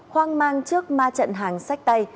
khoang mang trước ma trận hàng sách tay